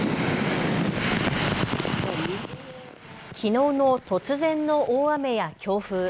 きのうの突然の大雨や強風。